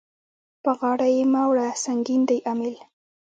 په غاړه يې مه وړه سنګين دی امېل.